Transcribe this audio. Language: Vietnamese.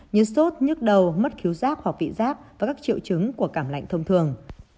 như sốt nhức đầu mất khiếu rác hoặc vị rác và các triệu chứng của cảm lạnh thông thường